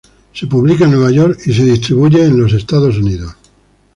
Se publica en Nueva York y se distribuye en los Estados Unidos.